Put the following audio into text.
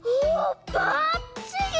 ばっちり！